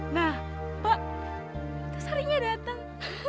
nah pak itu sarinya datang